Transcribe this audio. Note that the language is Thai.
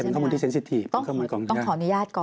ความต้องขออนุญาตก่อน